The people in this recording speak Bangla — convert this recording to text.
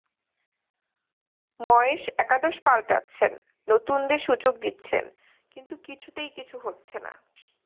ময়েস একাদশ পাল্টাচ্ছেন, নতুনদের সুযোগ দিচ্ছেন, কিন্তু কিছুতেই কিছু হচ্ছে না।